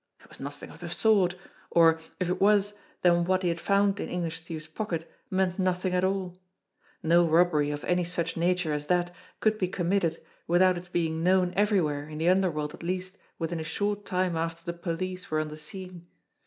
It was nothing of the sort; or, if it was, then what he had found in English Steve's pocket meant nothing at all. No robbery of any such nature as that could be committed without its being known everywhere in the underworld at least within a short time after the police were on the scene.